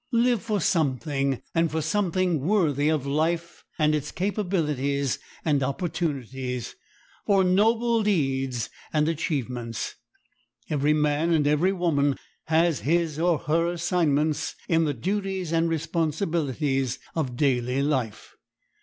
Live for something, and for something worthy of life and its capabilities and opportunities, for noble deeds and achievements. Every man and every woman has his or her assignments in the duties and responsibilities of daily life.